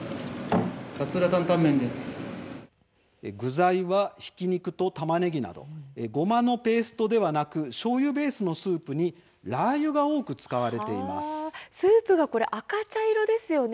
具材は、ひき肉とたまねぎなどごまのペーストではなくしょうゆベースのスープにスープが赤茶色ですね。